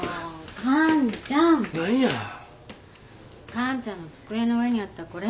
完ちゃんの机の上にあったこれ。